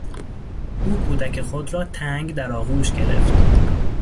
او کودک خود را تنگ در آغوش گرفت.